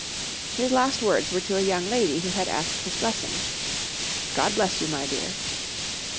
His last words were to a young lady who had asked his blessing: "God bless you, my dear!"